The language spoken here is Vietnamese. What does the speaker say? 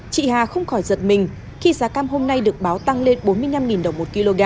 cam hôm nay được báo tăng lên bốn mươi năm đồng một kg